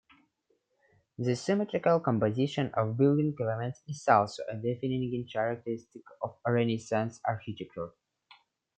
The symmetrical composition of building elements is also a defining characteristic of Renaissance architecture.